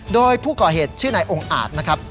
โดยผู้ก่อเหตุชื่อนายองค์อาจนะครับ